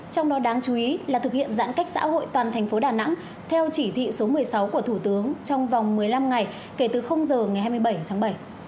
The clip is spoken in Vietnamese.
trong đó đáng chú ý là thực hiện giãn cách xã hội toàn thành phố đà nẵng theo chỉ thị số một mươi sáu của thủ tướng trong vòng một mươi năm ngày kể từ giờ ngày hai mươi bảy tháng bảy